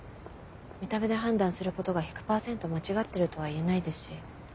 見た目で判断することが１００％間違ってるとはいえないですし。